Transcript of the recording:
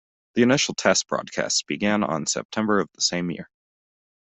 The initial test broadcasts began on September of the same year.